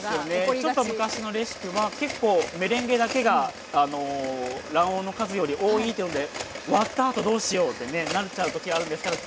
ちょっと昔のレシピは結構メレンゲだけが卵黄の数より多いっていうので割ったあとどうしようってねなっちゃう時あるんですけど。